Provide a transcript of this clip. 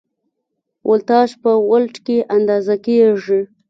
ولتاژ په ولټ کې اندازه کېږي.